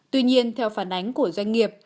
tuy nhiên theo phản ánh của doanh nghiệp